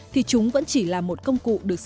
thì chúng vẫn chỉ là một công cụ